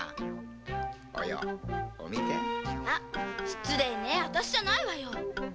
失礼ね私じゃないわよ。